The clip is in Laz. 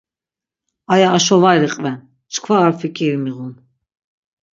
Aya aşo var iqven, çkva ar fik̆iri miğun.